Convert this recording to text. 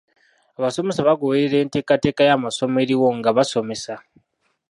Abasomesa bagoberera enteekateeka y'amasomo eriwo nga basomesa.